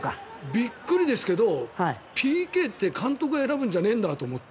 びっくりですけどＰＫって監督が選ぶんじゃないんだって。